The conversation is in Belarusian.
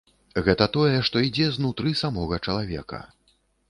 Гэта тое, што ідзе знутры самога чалавека.